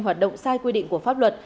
hoạt động sai quy định của pháp luật